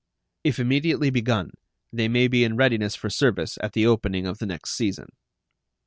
If immediately begun, they may be in readiness for service at the opening of the next season.